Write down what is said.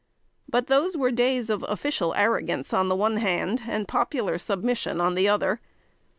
But those were days of official arrogance on the one hand, and popular submission on the other.